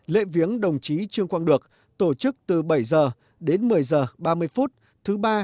lễ viếng đồng chí trương quang được tổ chức từ bảy h đến một mươi h ba mươi phút thứ ba